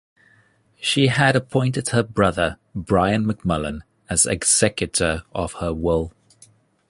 She had appointed her brother, Brian McMullen, as executor of her will.